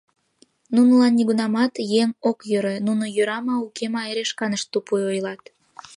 Нунылан нигунамат еҥ ок йӧрӧ, нуно — йӧра ма, уке ма — эре шканышт тупуй ойлат.